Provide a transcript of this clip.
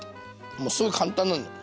もうすごい簡単なんだよ。